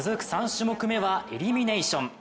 ３種目めはエリミネイション。